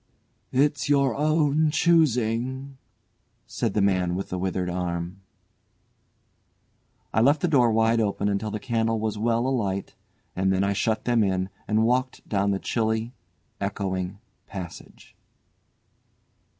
"It's your own choosing," said the man with the withered arm. I left the door wide open until the candle was well alight, and then I shut them in and walked down the chilly, echoing passage.